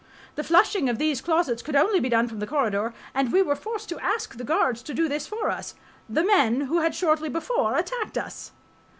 The flushing of these closets could only be done from the corridor, and we were forced to ask the guards to do this for us, the men who had shortly before attacked us